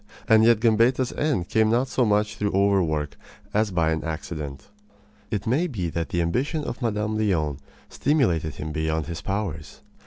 And yet Gambetta's end came not so much through overwork as by an accident. It may be that the ambition of Mme. Leon stimulated him beyond his powers.